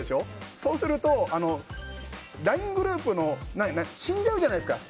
そうするとＬＩＮＥグループが死んじゃうじゃないですか。